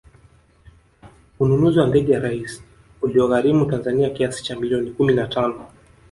Ununuzi wa ndege ya Rais ulioigharimu Tanzania kiasi cha milioni kumi na tano